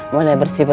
mulai bersihin makam